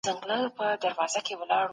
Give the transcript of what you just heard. په ښار کي د سوداګرو لپاره کوم بازارونه وو؟